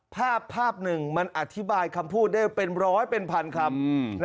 ภาพหนึ่งมันอธิบายคำพูดได้เป็นร้อยเป็นพันคำ